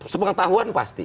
semangat tahuan pasti